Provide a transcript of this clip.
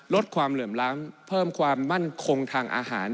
ลดความเหลื่อมล้ำเพิ่มความมั่นคงทางอาหาร